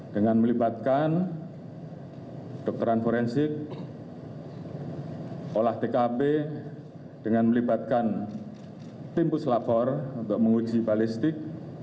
dengan melibatkan dokteran forensik olah tkp dengan melibatkan tim puslapor untuk menguji balistik